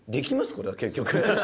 これは結局」